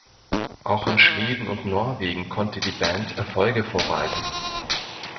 Auch in Schweden und Norwegen konnte die Band Erfolge vorweisen.